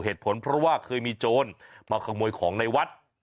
เหตุผลเพราะว่าเคยมีโจรมาขโมยของในวัด